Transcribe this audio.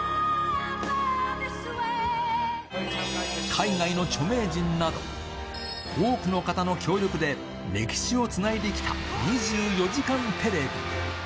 海外の著名人など、多くの方の協力で歴史をつないできた２４時間テレビ。